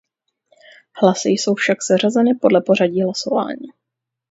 Hlasy jsou však seřazeny podle pořadí hlasování.